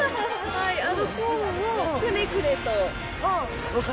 あのコーンをくねくねと。